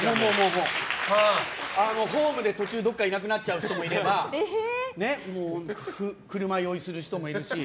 ホームで途中どっかでいなくなっちゃう人もいれば車酔いする人もいるし。